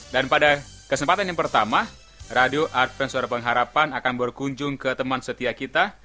dan pada kesempatan yang pertama radio advent suara pengharapan akan berkunjung ke teman setia kita